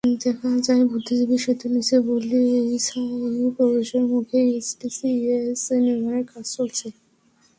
দেখা যায়, বুদ্ধিজীবী সেতুর নিচে বছিলায় প্রবেশের মুখেই এসটিএস নির্মাণের কাজ চলছে।